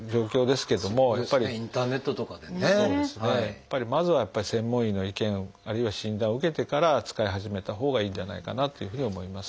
やっぱりまずは専門医の意見あるいは診断を受けてから使い始めたほうがいいんじゃないかなというふうに思います。